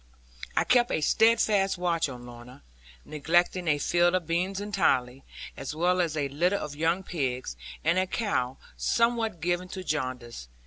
I kept a steadfast watch on Lorna, neglecting a field of beans entirely, as well as a litter of young pigs, and a cow somewhat given to jaundice.